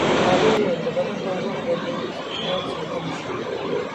هغې وویل د بدن تودوخه باید ساتل شي.